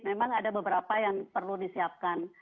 memang ada beberapa yang perlu disiapkan